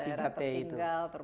ya tiga t itu